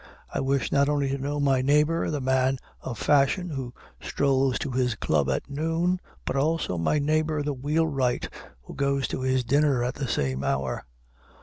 I wish not only to know my neighbor, the man of fashion, who strolls to his club at noon, but also my neighbor, the wheelwright, who goes to his dinner at the same hour.